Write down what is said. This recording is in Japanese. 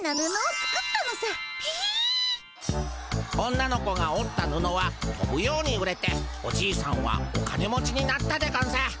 女の子がおったぬのはとぶように売れておじいさんはお金持ちになったでゴンス。